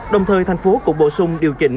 đồng thời thành phố cũng bổ sung điều chỉnh